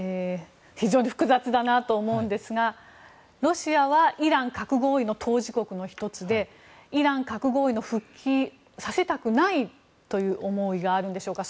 非常に複雑だなと思うんですがロシアはイラン核合意の当事国の１つでイラン核合意の復帰させたくないという思いがあるんでしょうか。